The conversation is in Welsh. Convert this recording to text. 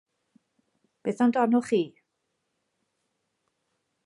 Beth amdanoch chi?